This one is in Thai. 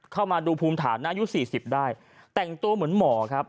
เข้ามาดูภูมิฐานอายุสี่สิบได้แต่งตัวเหมือนหมอครับ